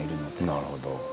なるほど。